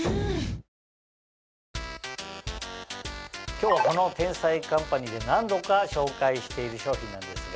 今日はこの『天才‼カンパニー』で何度か紹介している商品なんですが。